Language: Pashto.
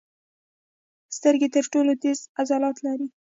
سترګې تر ټولو تېز عضلات لري.